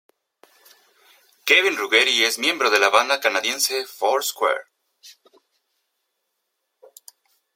Kevin Ruggeri es miembro de la banda canadiense Four Square.